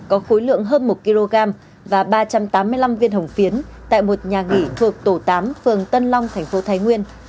có khối lượng hơn một kg và ba trăm tám mươi năm viên hồng phiến tại một nhà nghỉ thuộc tổ tám phường tân long thành phố thái nguyên